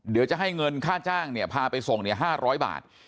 เดี๋ยวจะให้เงินค่าจ้างเนี่ยพาไปส่ง๕๐๐บาท